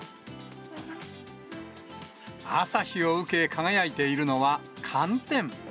朝日を受け輝いているのは寒天。